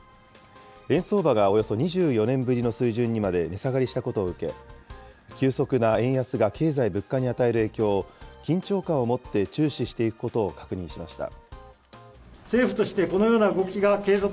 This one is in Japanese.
円相場がおよそ２４年ぶりの水準にまで値下がりしたことを受け、急速な円安が経済・物価に与える影響を緊張感を持って注視していくことを確認しました。